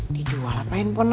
dijual apa handphonenya